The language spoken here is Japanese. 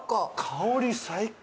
香り最高。